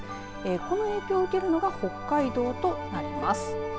この影響を受けるのが北海道となります。